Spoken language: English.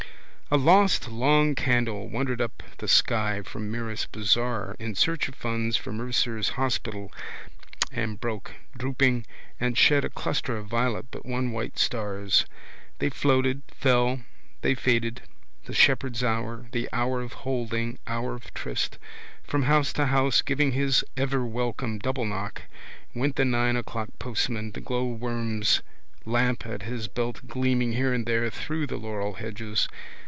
A last lonely candle wandered up the sky from Mirus bazaar in search of funds for Mercer's hospital and broke, drooping, and shed a cluster of violet but one white stars. They floated, fell: they faded. The shepherd's hour: the hour of folding: hour of tryst. From house to house, giving his everwelcome double knock, went the nine o'clock postman, the glowworm's lamp at his belt gleaming here and there through the laurel hedges.